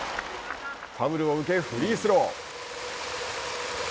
ファウルを受けフリースロー。